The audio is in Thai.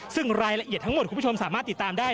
ซึ่งรายละเอียดทั้งหมดคุณผู้ชมสามารถติดตามได้